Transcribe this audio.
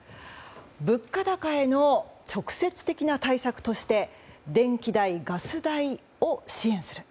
物価高への直接的な対策として電気代・ガス代を支援する。